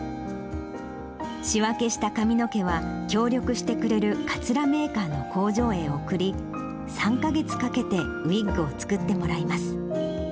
仕分けした髪の毛は、協力してくれるかつらメーカーの工場へ送り、３か月かけてウイッグを作ってもらいます。